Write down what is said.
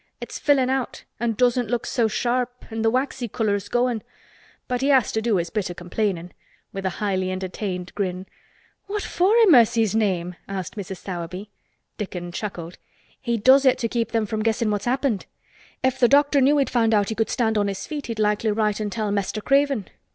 It's fillin' out and doesn't look so sharp an' th' waxy color is goin'. But he has to do his bit o' complainin'," with a highly entertained grin. "What for, i' Mercy's name?" asked Mrs. Sowerby. Dickon chuckled. "He does it to keep them from guessin' what's happened. If the doctor knew he'd found out he could stand on his feet he'd likely write and tell Mester Craven.